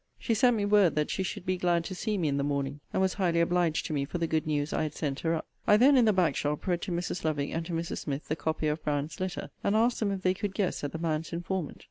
She sent me word that she should be glad to see me in the morning; and was highly obliged to me for the good news I had sent her up. I then, in the back shop, read to Mrs. Lovick and to Mrs. Smith the copy of Brand's letter, and asked them if they could guess at the man's informant?